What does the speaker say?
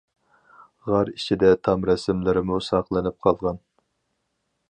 غار ئىچىدە تام رەسىملىرىمۇ ساقلىنىپ قالغان.